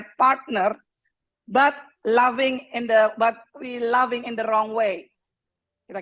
sepertinya dengan plus sering menikah tinggi di fondasi selamanya dan sungguh mengulang putih